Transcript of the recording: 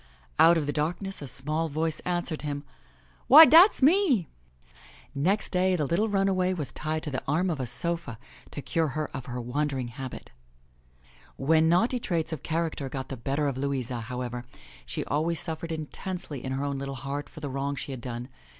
'* Out of the darkness a small voice answered him,*' Why dat's me !" Next day the little runaway was tied to the arm of a sofa to cure her of her wandering habit. When naughty traits of character got the better of Louisa, how ever, she always suffered intensely in her own little heart for the 12 THE LATCH KEY wrong she had done.